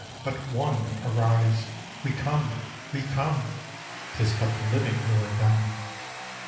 But one arise, — we come, we come!" 'T is but the living who are dumb.